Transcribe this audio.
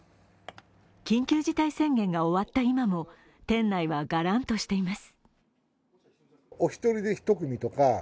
緊急事態宣言が終わった今も店内はガランとしています。